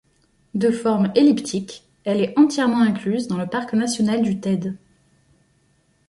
De forme elliptique, elle est entièrement incluse dans le parc national du Teide.